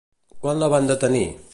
Quan la van detenir?